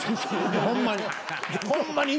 ホンマに。